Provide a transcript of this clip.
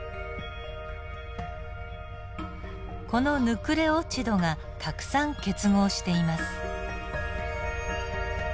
このヌクレオチドがたくさん結合しています。